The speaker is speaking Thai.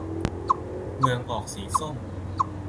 เมืองออกสีส้ม